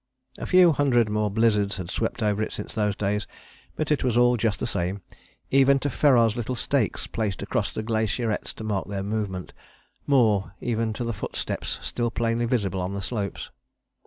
A few hundred more blizzards had swept over it since those days, but it was all just the same, even to Ferrar's little stakes placed across the glacierets to mark their movement, more, even to the footsteps still plainly visible on the slopes.